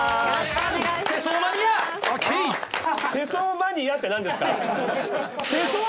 「手相マニア」って何ですか？